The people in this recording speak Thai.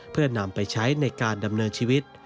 เพื่อนำไปใช้ในการดำเนินชีวิต